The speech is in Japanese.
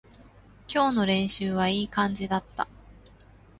今日の練習はいい感じだった